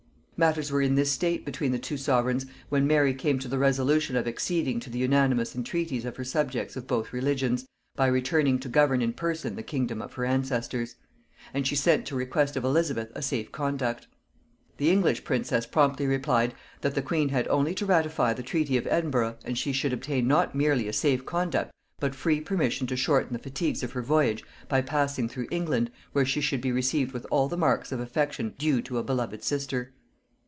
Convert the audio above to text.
Matters were in this state between the two sovereigns, when Mary came to the resolution of acceding to the unanimous entreaties of her subjects of both religions, by returning to govern in person the kingdom of her ancestors; and she sent to request of Elizabeth a safe conduct. The English princess promptly replied, that the queen had only to ratify the treaty of Edinburgh, and she should obtain not merely a safe conduct but free permission to shorten the fatigues of her voyage by passing through England, where she should be received with all the marks of affection due to a beloved sister.